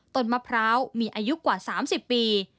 มะพร้าวมีอายุกว่า๓๐ปี